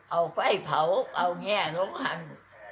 เอาไปเผาเอาเนี่ยลงหัน